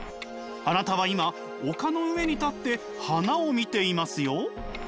あなたは今丘の上に立って花を見ていますよ？